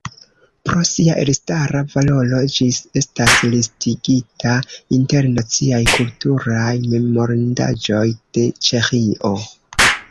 Pro sia elstara valoro ĝis estas listigita inter Naciaj kulturaj memorindaĵoj de Ĉeĥio.